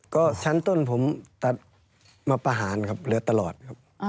ก็ชั้นต้นผมตัดมาประหารครับเหลือตลอดครับ